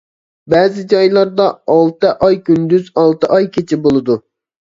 بەزى جايلاردا ئالتە ئاي كۈندۈز، ئالتە ئاي كېچە بولىدۇ.